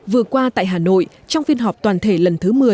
vừa qua tại hà nội trong phiên họp toàn thể lần thứ một mươi